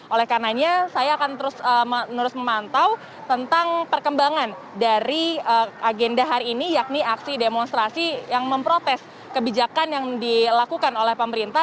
oleh karenanya saya akan terus memantau tentang perkembangan dari agenda hari ini yakni aksi demonstrasi yang memprotes kebijakan yang dilakukan oleh pemerintah